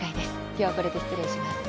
今日はこれで失礼します。